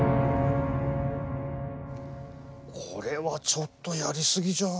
これはちょっとやり過ぎじゃ。